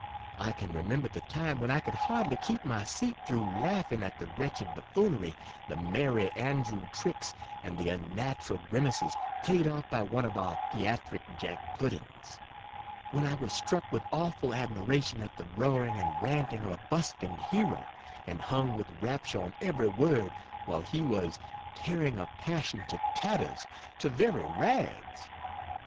I can remember the time when I could hardly keep my seat through laughing at the wretched buffoonery, the merry andrew tricks, and the unnatural D 38 grimaces played off by one of our theatric Jack Puddings; when I was struck with awful admiration at the roaring and ranting of a buskined hero, and hung with rapture on every word, while he was " tearing a passion to tatters — to very rags!"